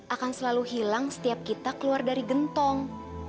akan selalu hilang setiap kita keluar dari gentong